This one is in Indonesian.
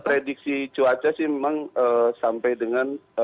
prediksi cuaca sih memang sampai dengan